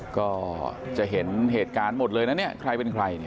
ก็จะเห็นเหตุการณ์หมดเลยนะเนี่ยใครเป็นใคร